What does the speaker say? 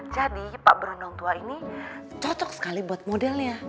jadi pak brondong tua ini cocok sekali buat modelnya